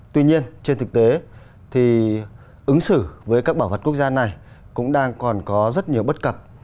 tuy nhiên trên thực tế thì ứng xử với các bảo vật quốc gia này cũng đang còn có rất nhiều bất cập